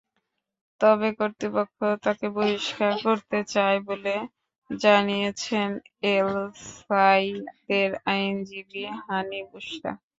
তবে কর্তৃপক্ষ তাঁকে বহিষ্কার করতে চায় বলে জানিয়েছেন এলসাইদের আইনজীবী হানি বুশরা।